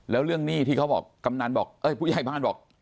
แล้วเรื่องหนี้ที่เขาบอกกำนันบอกเอ้ยผู้ใหญ่บ้านบอก